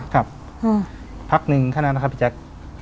ครับพักหนึ่งแค่นั้นนะครับพี่แจ๊ค